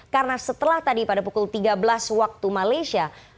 karena setelah tadi pada pukul tiga belas waktu malaysia